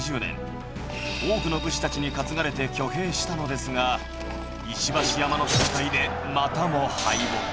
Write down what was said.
多くの武士たちに担がれて挙兵したのですが石橋山の戦いでまたも敗北。